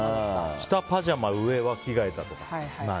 下パジャマ、上は着替えたとか。